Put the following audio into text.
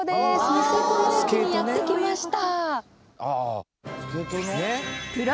ニセコの駅にやって来ました！